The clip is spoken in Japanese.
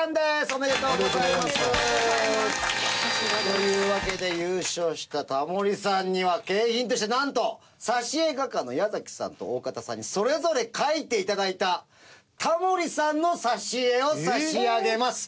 おめでとうございます。というわけで優勝したタモリさんには景品としてなんと挿絵画家の矢崎さんと大片さんにそれぞれ描いて頂いたタモリさんの挿絵を差し上げます。